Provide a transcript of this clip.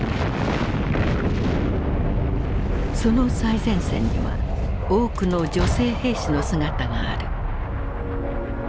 その最前線には多くの女性兵士の姿がある。